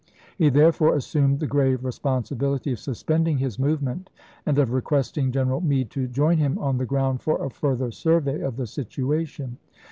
He therefore assumed the gi ave responsibility of suspending his movement, and of requesting Greneral Meade to join him on the ground for a further survey of the situation.